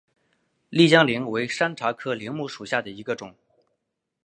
丽江柃为山茶科柃木属下的一个种。